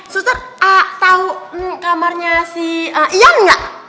susun tahu kamarnya si ian nggak